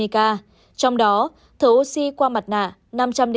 trong đó thở oxy qua mặt nạ năm trăm linh tám ca